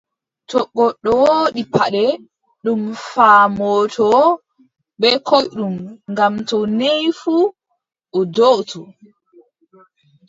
To goɗɗo woodi paɗɗe, ɗum faamotoo bee koyɗum, ngam to neei fuu, o do"otoo,